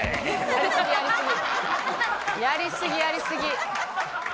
やりすぎやりすぎ！